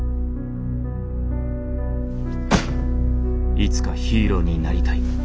いつかヒーローになりたい。